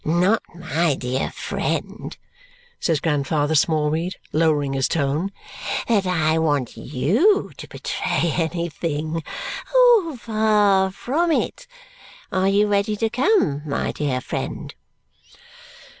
Not, my dear friend," says Grandfather Smallweed, lowering his tone, "that I want YOU to betray anything. Far from it. Are you ready to come, my dear friend?"